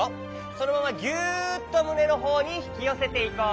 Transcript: そのままぎゅっとむねのほうにひきよせていこう。